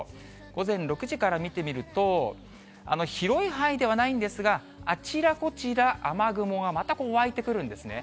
午前６時から見てみると、広い範囲ではないんですが、あちらこちら、雨雲がまたこう、湧いてくるんですね。